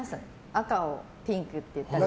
赤をピンクって言ったり。